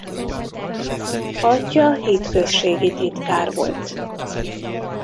Atyja hitközségi titkár volt.